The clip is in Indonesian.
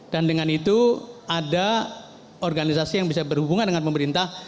dan dengan itu ada organisasi yang bisa berhubungan dengan pemerintah